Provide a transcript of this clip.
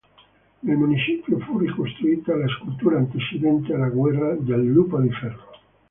Nel municipio fu ricostruita la scultura antecedente alla guerra del Lupo di Ferro.